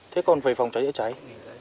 thế còn vầy phòng cháy đã cháy